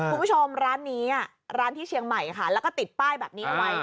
คุณผู้ชมร้านนี้ร้านที่เชียงใหม่ค่ะแล้วก็ติดป้ายแบบนี้เอาไว้